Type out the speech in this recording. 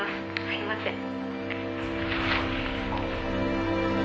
すいません」